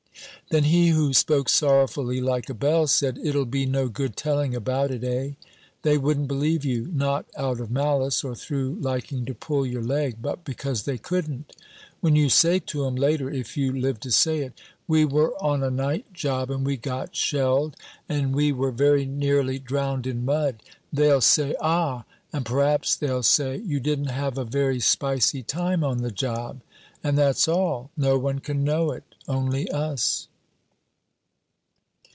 Then he who spoke sorrowfully, like a bell, said. "It'll be no good telling about it, eh? They wouldn't believe you; not out of malice or through liking to pull your leg, but because they couldn't. When you say to 'em later, if you live to say it, 'We were on a night job and we got shelled and we were very nearly drowned in mud,' they'll say, 'Ah!' And p'raps they'll say. 'You didn't have a very spicy time on the job.' And that's all. No one can know it. Only us."